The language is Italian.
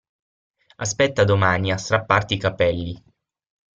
Aspetta a domani a strapparti i capelli.